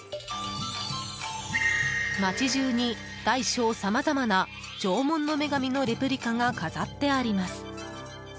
町中に、大小さまざまな縄文の女神のレプリカが飾ってあります。